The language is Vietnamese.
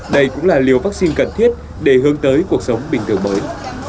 đây cũng là liều vaccine cần thiết để hướng tới cuộc sống bình thường mới